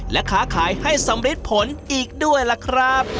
และค้าขายให้สำริดผลอีกด้วยล่ะครับ